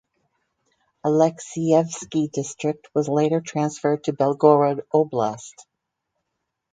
Alexeyevsky District was later transferred to Belgorod Oblast.